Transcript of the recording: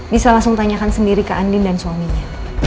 bisa langsung tanyakan sendiri ke andin dan suaminya